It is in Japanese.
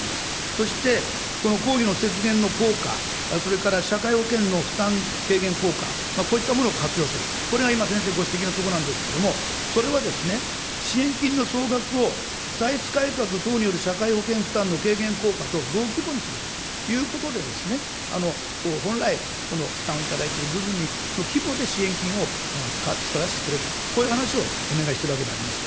そして、この公費の節減の効果、それから社会保険の負担軽減効果、こういったものを活用する、これが今先生ご指摘のところなんですけれども、それは支援金の総額を歳出改革等による社会保険負担の軽減効果と同規模にするということで、本来、負担をいただいてる部分の規模で支援金を作らせてくれと、こういう話をお願いしてるわけであります。